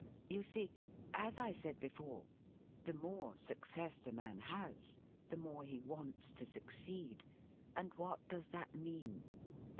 You see, as I said before, the more success a man has, the more he wants to succeed, and what does that mean